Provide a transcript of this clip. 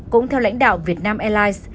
cũng theo lãnh đạo việt nam airlines